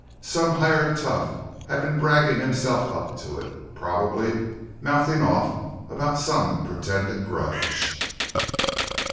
Some hired tough had been bragging himself up to it, probably, mouthing off about some pretended grudge.